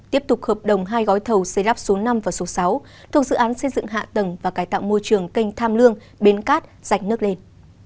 tiếp tục hợp đồng hai gói thầu xây lắp số năm và số sáu thuộc dự án xây dựng hạ tầng và cải tạo môi trường kênh tham lương bến cát rạch nước lên